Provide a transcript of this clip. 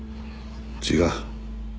違う。